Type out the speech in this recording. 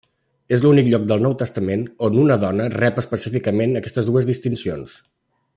És l'únic lloc del Nou Testament on una dona rep específicament aquestes dues distincions.